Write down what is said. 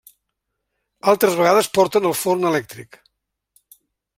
Altres vegades porten el forn elèctric.